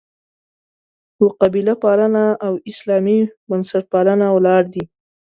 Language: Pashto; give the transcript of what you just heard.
په «قبیله پالنه» او «اسلامي بنسټپالنه» ولاړ دي.